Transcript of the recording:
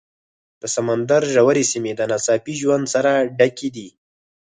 د سمندر ژورې سیمې د ناڅاپي ژوند سره ډکې دي.